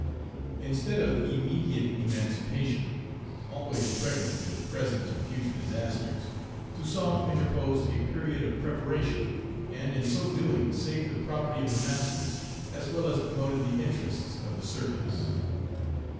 Instead of immediate emancipation, always * pregnant with present and future disasters, Toussaint interposed a period of preparation, and in so doing saved the property of the masters, as well as promoted the interests of the servants.